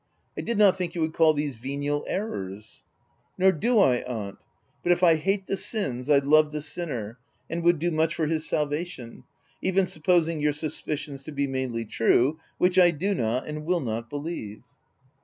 I did not think you would call these venial errors !" "Nor do I, aunt; but if I hate the sins T love the sinner, and would do much for his sal vation, even supposing your suspicions to be mainly true — which I do not and will not be lieve."